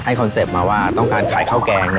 คอนเซ็ปต์มาว่าต้องการขายข้าวแกง